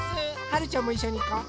はるちゃんもいっしょにいこう。